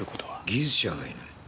技術者がいない。